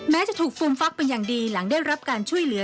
จะถูกฟูมฟักเป็นอย่างดีหลังได้รับการช่วยเหลือ